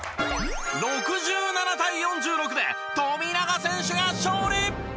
６７対４６で富永選手が勝利！